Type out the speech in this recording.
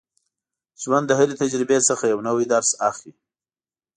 ژوند د هرې تجربې څخه یو نوی درس اخلي.